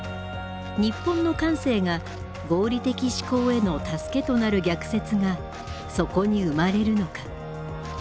日本の感性が合理的思考への助けとなる逆説がそこに生まれるのか？